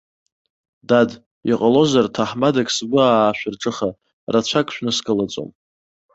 Дад, иҟалозар ҭаҳмадак сгәы аашәырҿыха, рацәак шәныскылаӡом.